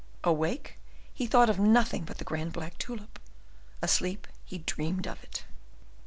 Awake, he thought of nothing but the grand black tulip; asleep, he dreamed of it.